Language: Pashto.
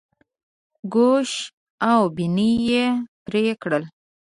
ګوش او بیني یې پرې کړل.